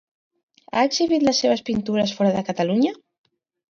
Ha exhibit les seves pintures fora de Catalunya?